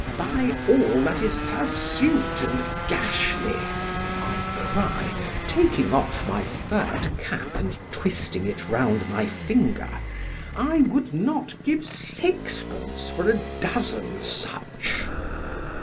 ——By all that is hirsute and gashly! I cry, taking off my furr'd cap, and twisting it round my finger——I would not give sixpence for a dozen such!